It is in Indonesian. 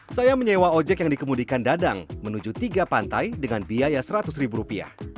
saya menyewa objek yang dikemudikan dadang menuju tiga pantai dengan biaya seratus ribu rupiah